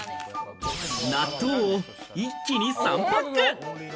納豆を一気に３パック。